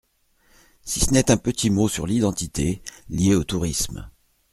Si ce n’est un petit mot sur l’identité lié au tourisme.